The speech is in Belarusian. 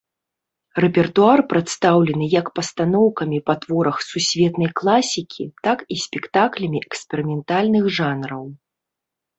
Рэпертуар прадстаўлены як пастаноўкамі па творах сусветнай класікі, так і спектаклямі эксперыментальных жанраў.